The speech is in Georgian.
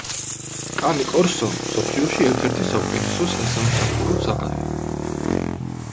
კანე კორსო მსოფლიოში ერთ-ერთი საუკეთესო სასამსახურო ძაღლია.